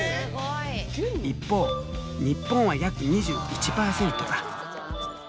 一方日本は約２１％だ。